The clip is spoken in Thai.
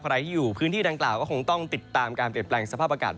ใครที่อยู่พื้นที่ดังกล่าวก็คงต้องติดตามการเปลี่ยนแปลงสภาพอากาศ